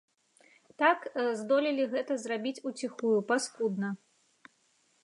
Так здолелі гэта зрабіць уціхую, паскудна.